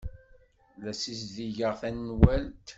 La ssizdigeɣ tanwalt.